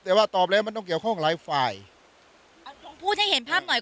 แต่ว่าตอบแล้วมันต้องเกี่ยวข้องหลายฝ่ายเอาลองพูดให้เห็นภาพหน่อย